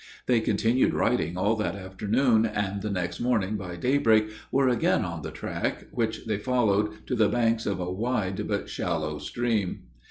They continued riding all that afternoon, and the next morning by daybreak were again on the track, which they followed to the banks of a wide but shallow stream.